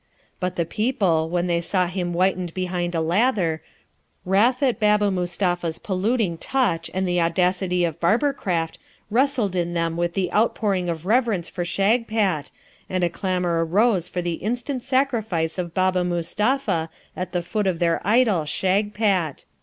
But the people, when they saw him whitened behind a lather, wrath at Baba Mustapha's polluting touch and the audacity of barbercraft wrestled in them with the outpouring of reverence for Shagpat, and a clamour arose for the instant sacrifice of Baba Mustapha at the foot of their idol Shagpat.